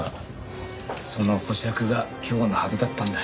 その保釈が今日のはずだったんだ。